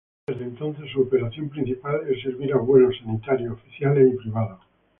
Desde entonces su operación principal es servir a vuelos sanitarios, oficiales y privados.